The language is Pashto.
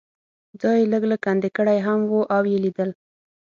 ځای یې لږ لږ کندې کړی هم و او یې لیدل.